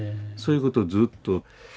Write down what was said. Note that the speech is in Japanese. そういうことをずっと。